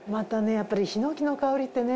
やっぱり檜の香りってね。